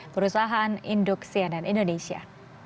perusahaan induksian dan indonesia